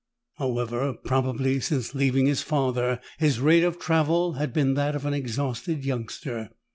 However, probably, since leaving his father his rate of travel had been that of an exhausted youngster.